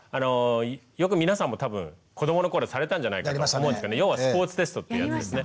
よく皆さんも多分子どもの頃されたんじゃないかと思うんですけど要はスポーツテストってやつですね。